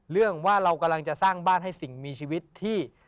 เรื่องว่าเรากำลังจะสร้างบ้านให้สิ่งมีชีวิตที่